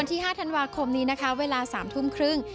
ที่๕ธันวาคมนี้นะคะเวลา๓ทุ่มครึ่ง